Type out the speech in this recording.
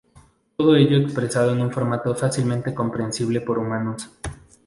Todo ello expresado en un formato fácilmente comprensible por humanos.